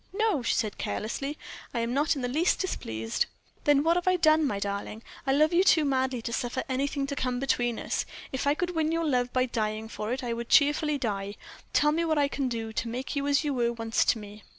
"No," she said, carelessly, "I am not in the least displeased." "Then, what have I done, my darling? I love you too madly to suffer anything to come between us. If I could win your love by dying for it, I would cheerfully die. Tell me what I can do to make you as you were once to me?"